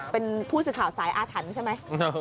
เป็นผู้สื่อข่าวสายอาถรรพ์ใช่ไหม